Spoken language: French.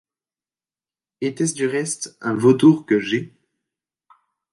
Était-ce du reste un vautour que G.?